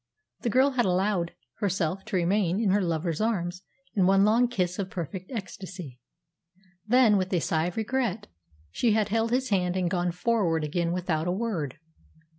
The girl had allowed herself to remain in her lover's arms in one long kiss of perfect ecstasy. Then, with a sigh of regret, she had held his hand and gone forward again without a word.